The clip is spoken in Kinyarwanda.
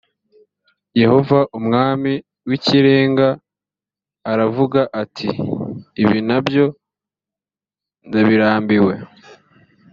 yehova umwami w’ ikirenga aravuga ati ibi na byo ndabirambiwe